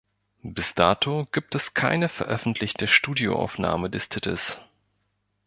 Bis dato gibt es keine veröffentlichte Studioaufnahme des Titels.